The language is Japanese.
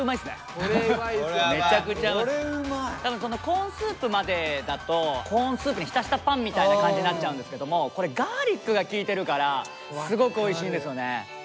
コーンスープまでだとコーンスープに浸したパンみたいな感じになっちゃうんですけどもこれガーリックが利いてるからすごくおいしいんですよね。